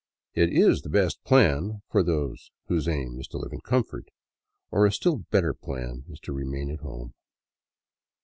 It is the best plan, for those whose aim is to live in comfort — or a still better plan is to remain at home.